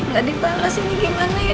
gak dibalas ini gimana ya